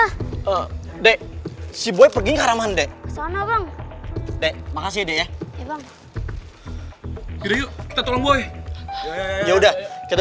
hai oh dek si boy pergi ke ramah andek sana bang makasih ya kita tolong boy ya udah kita